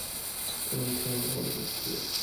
Dewdney took orders directly from Macdonald.